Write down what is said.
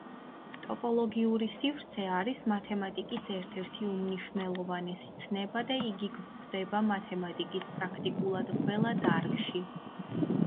ტოპოლოგიური სივრცე არის მათემატიკის ერთ-ერთი უმნიშვნელოვანესი ცნება და იგი გვხვდება მათემატიკის პრაქტიკულად ყველა დარგში.